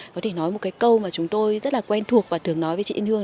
có thể nói một cái câu mà chúng tôi rất là quen thuộc và thường nói với chị yên hương